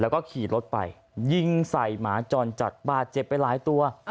แล้วก็ขี่รถไปยิงใส่หมาจรจัดบาดเจ็บไปหลายตัว